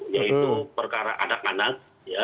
yaitu perkara anak anak